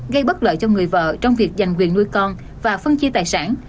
gây bất lợi cho người vợ trong việc giành quyền nuôi con và phân chia tài sản